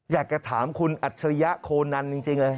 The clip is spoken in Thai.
อยากจะถามคุณอัจฉริยะโคนันจริงเลย